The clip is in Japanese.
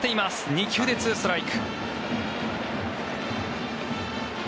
２球で２ストライク。